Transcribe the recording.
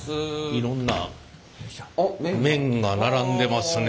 いろんな麺が並んでますね。